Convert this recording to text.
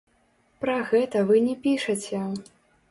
Пра гэта вы не пішаце.